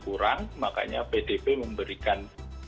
kurang makanya pdp memberikan